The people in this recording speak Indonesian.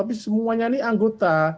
tapi semuanya ini anggota